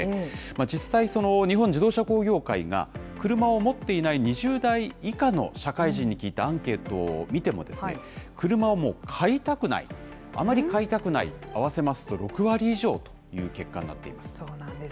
実際、日本自動車工業会が車を持っていない２０代以下の社会人に聞いたアンケートを見ても、車を買いたくない、あまり買いたくない合わせますと、６割以上という結果になっています。